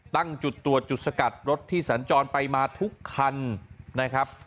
ตั้งจุดตรวจจุดสกัดรถที่สัญจรไปมาทุกคันนะครับ